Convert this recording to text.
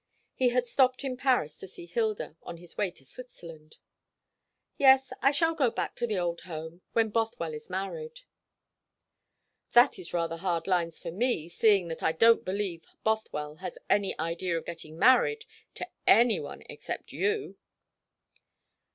He had stopped in Paris to see Hilda, on his way to Switzerland. "Yes, I shall go back to the old home when Bothwell is married." "That is rather hard lines for me, seeing that I don't believe Bothwell has any idea of getting married to any one except you."